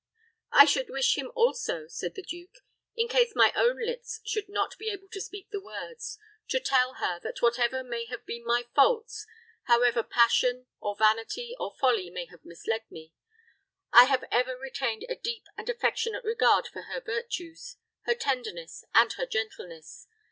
"I should wish him, also," said the duke, "in case my own lips should not be able to speak the words, to tell her, that whatever may have been my faults, however passion, or vanity, or folly may have misled me, I have ever retained a deep and affectionate regard for her virtues, her tenderness, and her gentleness.